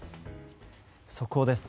速報です。